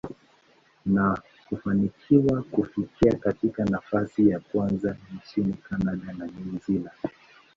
na kufanikiwa kufika katika nafasi ya kwanza nchini Canada na New Zealand.